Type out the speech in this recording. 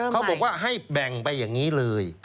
เขาบอกว่าให้แบ่งไปอย่างนี้เลย